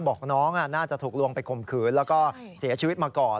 บอกน้องน่าจะถูกลวงไปข่มขืนแล้วก็เสียชีวิตมาก่อน